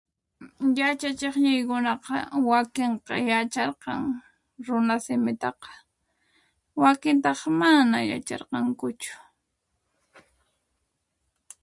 Yachachikñiykunaqa wakinqa yacharqan runa simitaqa wakintaq maaana yacharqankuchu.